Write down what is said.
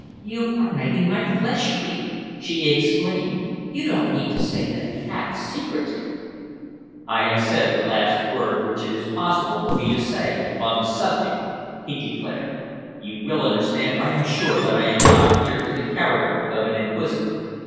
"You are making my flesh creep!" she exclaimed. "You don't mean to say that we have secrets here?" "I have said the last word which it is possible for me to say upon the subject," he declared. "You will understand, I am sure, that I am not here in the character of an inquisitor.